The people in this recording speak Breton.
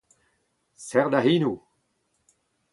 Serr da c'henoù !